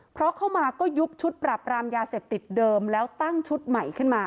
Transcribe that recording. เพราะเข้ามาก็ยุบชุดปรับรามยาเสพติดเดิมแล้วตั้งชุดใหม่ขึ้นมา